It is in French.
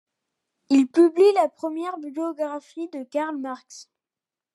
Il publie la première biographie de Karl Marx.